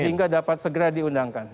sehingga dapat segera diundangkan